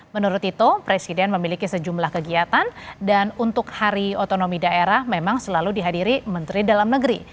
menurut tito presiden memiliki sejumlah kegiatan dan untuk hari otonomi daerah memang selalu dihadiri menteri dalam negeri